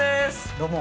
どうも。